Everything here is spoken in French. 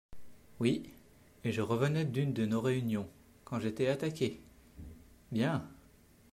Oui, et je revenais d'une de nos réunions, quand j'ai été attaqué … Bien.